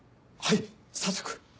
はい早速。